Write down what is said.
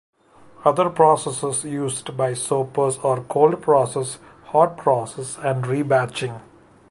Other processes used by soapers are cold process, hot process and rebatching.